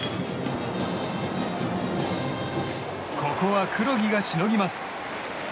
ここは黒木がしのぎます。